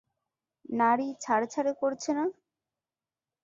নাড়ী ছাড়ে-ছাড়ে করছে না?